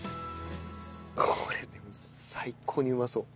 これ最高にうまそう。